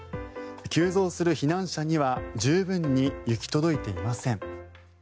急増する避難者には十分に行き届いていません。